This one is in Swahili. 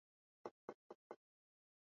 hana chochote cha kuogopa kutoka kwa wanyama